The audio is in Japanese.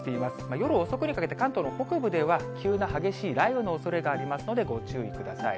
夜遅くにかけて、関東の北部では急な激しい雷雨のおそれがありますので、ご注意ください。